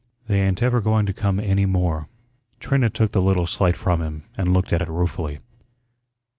They ain't ever going to come any more." Trina took the little slate from him and looked at it ruefully.